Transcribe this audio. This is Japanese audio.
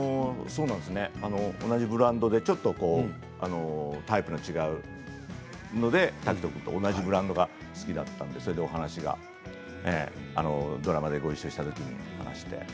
同じブランドで、ちょっとタイプの違うもので同じブランドが好きだったのでそれでお話がドラマでごいっしょしたときにしまして。